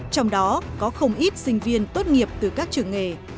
trong đó có không ít sinh viên tốt nghiệp từ các trường nghề